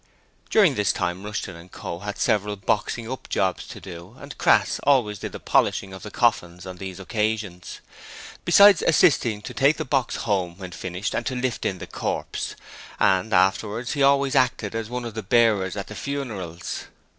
During this time Rushton & Co. had had several 'boxing up' jobs to do, and Crass always did the polishing of the coffins on these occasions, besides assisting to take the 'box' home when finished and to 'lift in' the corpse, and afterwards he always acted as one of the bearers at the funerals.